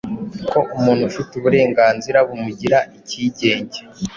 ko umuntu afite uburenganzira bumugira icyigenge,